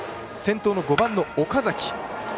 先頭の５番の岡崎。